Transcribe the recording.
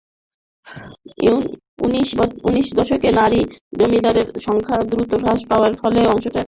উনিশ শতকে নারী জমিদারের সংখ্যা দ্রুত হ্রাস পাওয়ার ফলেও অংশত এমনটি ঘটে।